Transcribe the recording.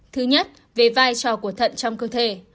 thứ nhất về vai trò của thận trong cơ thể